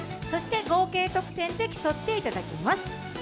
そして合計得点で競っていただきます。